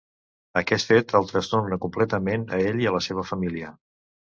Aquest fet el trastorna completament a ell i a la seva família.